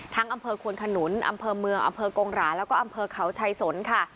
อำเภอควนขนุนอำเภอเมืองอำเภอกงหราแล้วก็อำเภอเขาชัยสนค่ะ